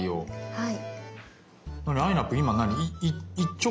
はい。